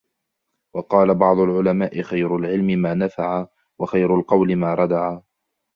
وَقَالَ بَعْضُ الْعُلَمَاءِ خَيْرُ الْعِلْمِ مَا نَفَعَ ، وَخَيْرُ الْقَوْلِ مَا رَدَعَ